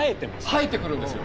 生えてくるんですよ。